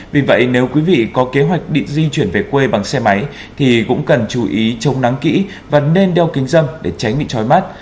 vì vậy nếu quý vị có kế hoạch đi di chuyển về quê bằng xe máy thì cũng cần chú ý trông nắng kỹ và nên đeo kính râm để tránh bị trói mắt